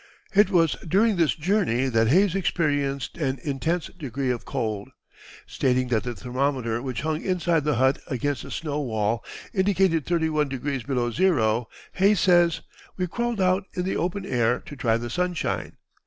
It was during this journey that Hayes experienced an intense degree of cold. Stating that the thermometer which hung inside the hut against the snow wall indicated thirty one degrees below zero, Hayes says: "We crawled out in the open air to try the sunshine.